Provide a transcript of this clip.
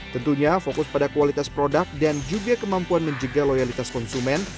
tentunya fokus pada kualitas produk dan juga kemampuan menjaga loyalitas konsumen